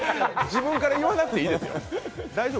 自分から言わなくていいですよ。